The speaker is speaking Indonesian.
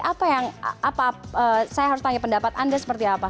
apa yang saya harus tanya pendapat anda seperti apa